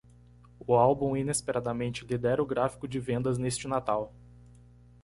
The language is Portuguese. O álbum inesperadamente lidera o gráfico de vendas neste Natal.